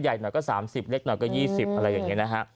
ใหญ่หน่อยก็๓๐เล็กหน่อยก็๒๐อะไรอย่างนี้นะฮะ